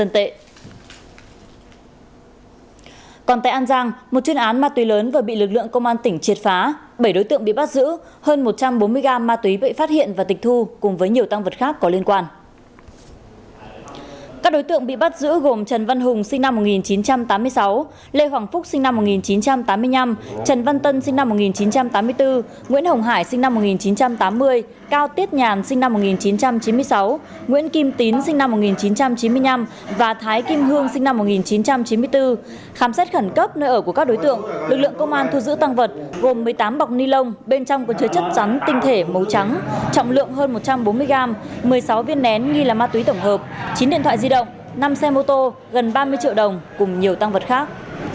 trọng lượng hơn một trăm bốn mươi gram một mươi sáu viên nén ghi là ma túy tổng hợp chín điện thoại di động năm xe mô tô gần ba mươi triệu đồng cùng nhiều tăng vật khác